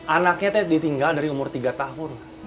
anaknya ditinggal dari umur tiga tahun